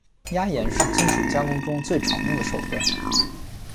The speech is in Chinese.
压延是金属加工中最常用的手段。